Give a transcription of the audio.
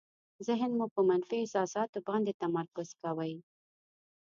ذهن مو په منفي احساساتو باندې تمرکز کوي.